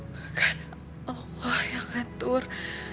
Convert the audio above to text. bukan allah yang ngatur